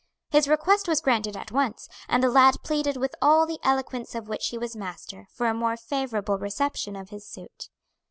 His request was granted at once, and the lad pleaded with all the eloquence of which he was master for a more favorable reception of his suit.